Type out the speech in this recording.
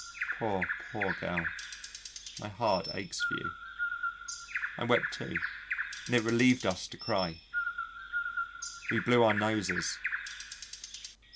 Poor, poor girl, my heart aches for you. I wept too, and it relieved us to cry. We blew our noses.